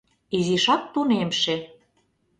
Изишак тунемше.